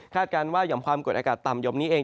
การว่าหย่อมความกดอากาศต่ำยมนี้เอง